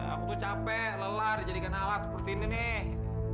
aku tuh capek lelah dijadikan alat seperti ini nih